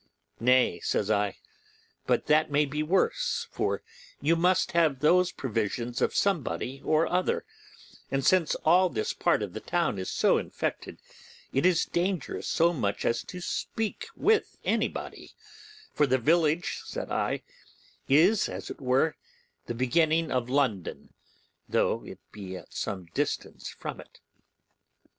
'Nay,' says I, 'but that may be worse, for you must have those provisions of somebody or other; and since all this part of the town is so infected, it is dangerous so much as to speak with anybody, for the village', said I, 'is, as it were, the beginning of London, though it be at some distance from it.